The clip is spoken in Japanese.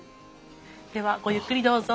ではごゆっくりどうぞ。